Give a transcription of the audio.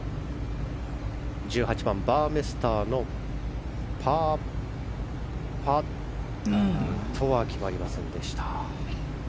１８番、バーメスターのパーパットは決まりません。